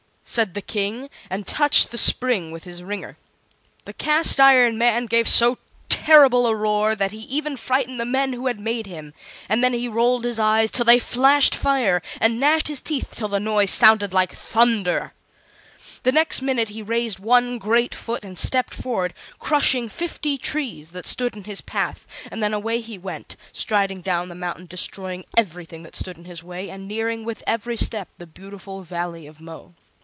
said the King, and touched the spring with his ringer. The Cast iron Man gave so terrible a roar that he even frightened the men who had made him; and then he rolled his eyes till they flashed fire, and gnashed his teeth till the noise sounded like thunder. The next minute he raised one great foot and stepped forward, crushing fifty trees that stood in his path, and then away he went, striding down the mountain, destroying everything that stood in his way, and nearing with every step the Beautiful Valley of Mo.